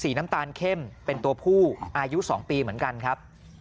น้ำตาลเข้มเป็นตัวผู้อายุ๒ปีเหมือนกันครับ